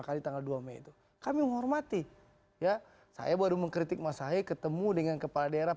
kali tanggal dua mei itu kami menghormati ya saya baru mengkritik mas ahe ketemu dengan kepala daerah